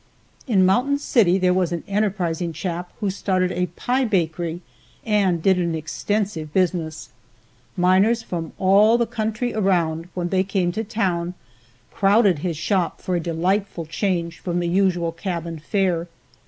In Mountain City there was an enterprising chap who started a pie bakery and did an extensive business. Miners from all the country around, when they came to town, crowded his shop for a delightful change from the usual cabin fare.